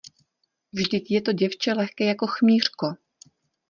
Vždyť je to děvče lehké jako chmýřko.